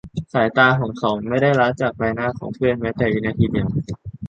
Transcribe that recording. สายตาของเขาไม่ได้ละจากใบหน้าของเพื่อนแม้แต่วินาทีเดียว